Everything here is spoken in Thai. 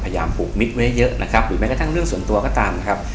ผูกมิตรไว้เยอะนะครับหรือแม้กระทั่งเรื่องส่วนตัวก็ตามนะครับ